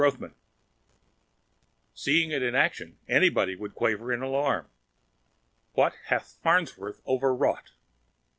TEVIS _Seeing it in action, anybody would quaver in alarm: What hath Farnsworth overwrought?